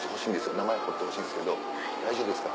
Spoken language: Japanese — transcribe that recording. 名前彫ってほしいんですけど大丈夫ですか？